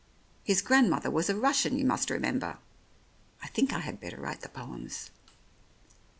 His grandmother was a Russian, you must remember. I think I had better write the poems."